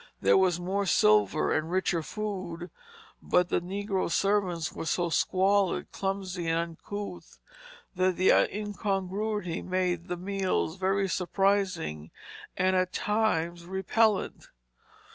There was more silver, and richer food; but the negro servants were so squalid, clumsy, and uncouth that the incongruity made the meals very surprising and, at times, repellent.